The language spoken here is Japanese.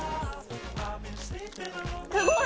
すごい。